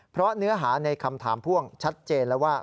เพราะเนื้อหาในคำถามพ่วงชัดเจนแล้วว่า